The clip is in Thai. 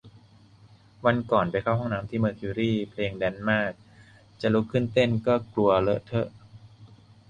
วันก่อนไปเข้าห้องน้ำที่เมอร์คิวรี เพลงแดนซ์มาก จะลุกขึ้นเต้นก็กลัวเลอะเทอะ